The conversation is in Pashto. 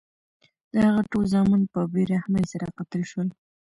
د هغه ټول زامن په بې رحمۍ سره قتل شول.